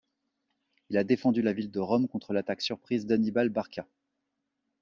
Il a défendu la ville de Rome contre l'attaque surprise d'Hannibal Barca.